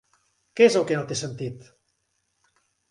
Què és el que no té sentit?